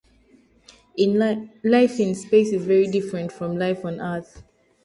Life in space is very different from life on Earth.